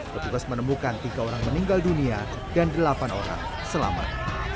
petugas menemukan tiga orang meninggal dunia dan delapan orang selamat